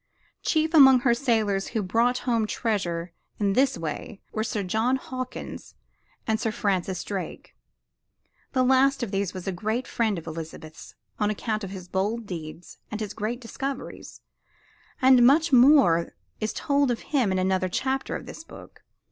Chief among her sailors who brought home treasure in this way were Sir John Hawkins and Sir Francis Drake. The last of these was a great friend of Elizabeth's on account of his bold deeds and his great discoveries, and much more is told of him in another chapter of this book.